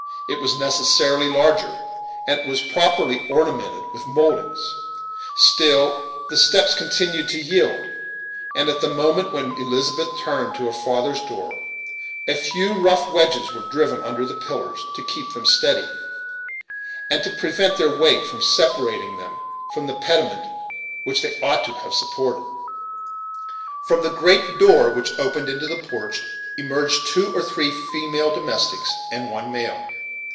It was necessarily larger, and it was properly ornamented with mouldings; still the steps continued to yield, and, at the moment when Elizabeth returned to her father's door, a few rough wedges were driven under the pillars to keep them steady, and to prevent their weight from separating them from the pediment which they ought to have supported. From the great door which opened into the porch emerged two or three female domestics, and one male.